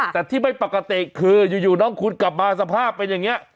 แต่ที่ไม่ปกติคืออยู่น้องคุณกลับมาสภาพเป็นอย่างนี้